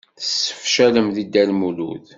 Tessefcaleḍ deg Dda Lmulud.